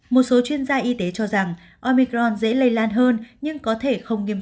một số chuyên gia y tế cho rằng omicron dễ lây lan hơn nhưng có thể không nghiêm